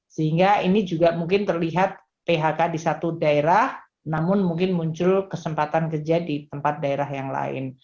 sehingga ini juga mungkin terlihat phk di satu daerah namun mungkin muncul kesempatan kerja di tempat daerah yang lain